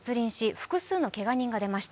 複数のけが人が出ました。